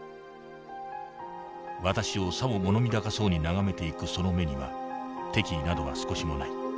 私をさも物見高そうに眺めていくその目には敵意などは少しもない。